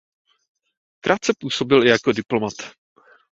Krátce působil i jako diplomat.